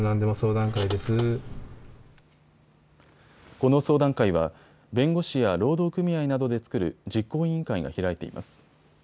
この相談会は弁護士や労働組合などで作る実行委員会が開いています。